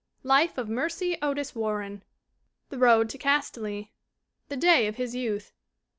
Life of Mercy Otis Warren. The Road to Castaly. The Day of His Youth.